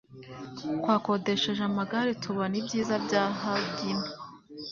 Twakodesheje amagare tubona ibyiza bya Hagino.